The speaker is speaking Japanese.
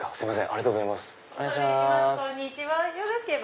ありがとうございます。